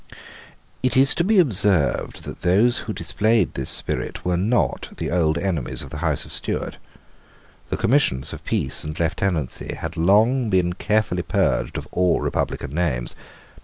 It is to be observed that those who displayed this spirit were not the old enemies of the House of Stuart. The Commissions of Peace and Lieutenancy had long been carefully purged of all republican names.